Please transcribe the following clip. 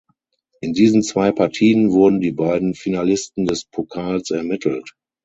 In diesen zwei Partien wurden die beiden Finalisten des Pokals ermittelt.